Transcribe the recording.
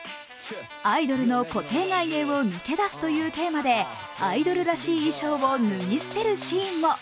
アイドルの固定概念を抜け出すというテーマでアイドルらしい衣装を脱ぎ捨てるシーンも。